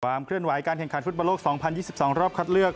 เคลื่อนไหวการแข่งขันฟุตบอลโลก๒๐๒๒รอบคัดเลือก